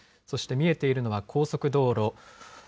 そして見えているのは高速道路。